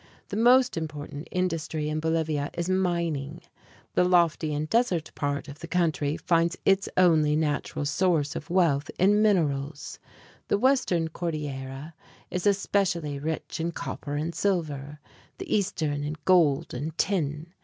The most important industry in Bolivia is mining. The lofty and desert part of the country finds its only natural source of wealth in minerals. The Western Cordillera is especially rich in copper and silver, the Eastern in gold and tin.